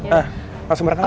hah langsung berantem pak